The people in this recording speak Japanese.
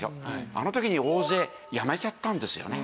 あの時に大勢辞めちゃったんですよね。